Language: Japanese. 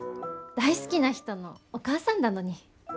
大好きな人のお母さんだのに。